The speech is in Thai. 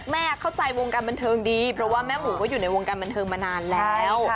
เข้าใจวงการบันเทิงดีเพราะว่าแม่หมูก็อยู่ในวงการบันเทิงมานานแล้ว